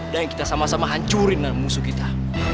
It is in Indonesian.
dan kita sama sama hancurin musuh kita